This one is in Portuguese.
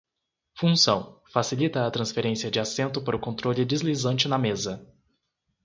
Função: facilita a transferência de assento para o controle deslizante na mesa.